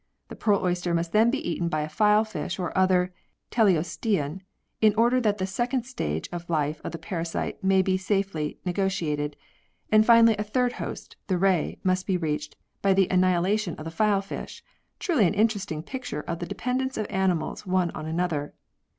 The pearl oyster must then be eaten by a file fish or other Teleostean in order that the second stage of life of the parasite may be safely negotiated, and finally a third host, the ray, must be reached, by the annihilation of the file fish: truly an interesting picture of the dependence of animals one on another.